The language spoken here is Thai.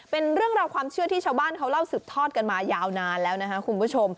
เป็นเรื่องราวความเชื่อที่ชาวบ้านเขาเล่าสืบทอดกันมายาวนานแล้วนะครับคุณผู้ชม